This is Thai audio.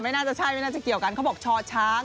น่าจะใช่ไม่น่าจะเกี่ยวกันเขาบอกชอช้าง